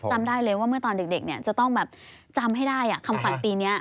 ถ้ามีพอทนเด็กเด็กเนี่ยจะต้องแบบจำให้ได้อ่ะคำขวัญปีนี้